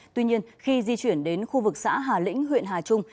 tuy nhiên khi di chuyển đến khu vực xã hà lĩnh huyện hà trung